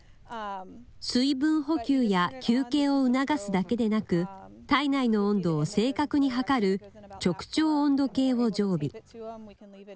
水分補給や休憩を促すだけでなく、体内の温度を正確に測る直腸温度計を常備。